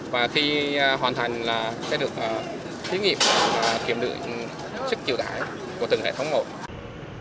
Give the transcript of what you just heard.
và khi hoàn thành sẽ được thiết nghiệm kiểm đựng sức chứa gãi của từng hệ thống ngồi